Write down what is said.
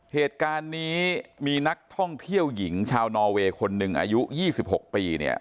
เหตุการณ์นี้มีนักท่องเที่ยวหญิงชาวนอเวย์คนหนึ่งอายุ๒๖ปีเนี่ย